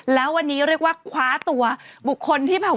และวันนี้เรียกว่าขวาตัวบุคคลที่ฮิตมาก